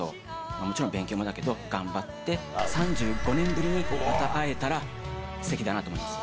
もちろん勉強もだけど頑張って３５年ぶりにまた会えたらステキだなと思います。